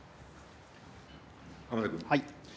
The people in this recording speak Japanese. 浜田君。